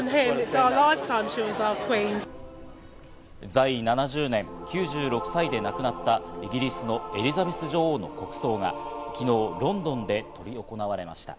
在位７０年、９６歳で亡くなったイギリスのエリザベス女王の国葬が昨日、ロンドンで執り行われました。